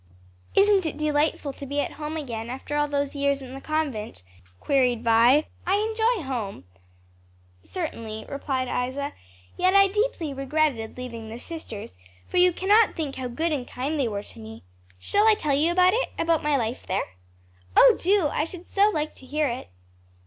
"Isn't it delightful to be at home again, after all those years in the convent?" queried Vi. "I enjoy home, certainly," replied Isa, "yet I deeply regretted leaving the sisters; for you cannot think how good and kind they were to me. Shall I tell you about it? about my life there?" "Oh, do! I should so like to hear it."